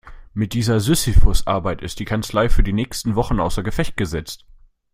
Mit dieser Sisyphusarbeit ist die Kanzlei für die nächsten Wochen außer Gefecht gesetzt.